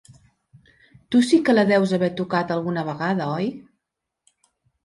Tu sí que la deus haver tocat alguna vegada, oi?